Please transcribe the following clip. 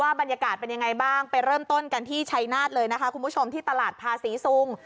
บรรยากาศเป็นยังไงบ้างไปเริ่มต้นกันที่ชัยนาศเลยนะคะคุณผู้ชมที่ตลาดภาษีซุง